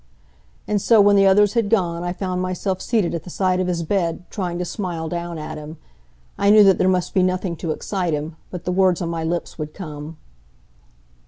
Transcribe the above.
And so, when the others had gone, I found myself seated at the side of his bed, trying to smile down at him. I knew that there must be nothing to excite him. But the words on my lips would come.